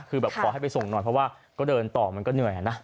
คือแบบขอให้ไปส่งหน่อยเพราะว่าก็เดินต่อมันก็เหนื่อยนะ